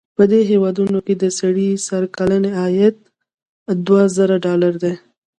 په دې هېوادونو کې د سړي سر کلنی عاید دوه زره ډالره دی.